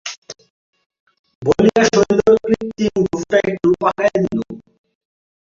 – বলিয়া শৈলর কৃত্রিম গোঁফটা একটু পাকাইয়া দিল।